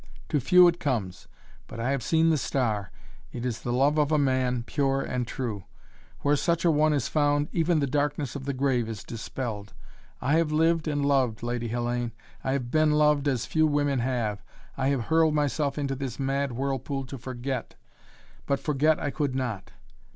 To few it comes, but I have seen the star. It is the love of a man, pure and true. Where such a one is found, even the darkness of the grave is dispelled. I have lived and loved, Lady Hellayne! I have been loved as few women have. I have hurled myself into this mad whirlpool to forget but forget I could not.